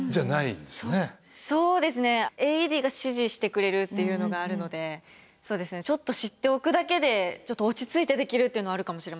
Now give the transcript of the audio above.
そうですねＡＥＤが指示してくれるっていうのがあるのでちょっと知っておくだけで落ち着いてできるっていうのはあるかもしれませんね。